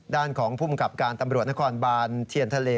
ด้านของภูมิกับการตำรวจนครบานเทียนทะเล